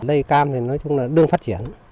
cây cam thì nói chung là đương phát triển